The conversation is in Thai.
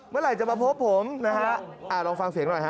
เมื่อไหร่จะมาพบผมนะฮะลองฟังเสียงหน่อยฮะ